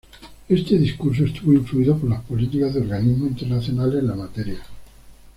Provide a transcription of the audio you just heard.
Este discurso estuvo influido por las políticas de organismos internacionales en la materia.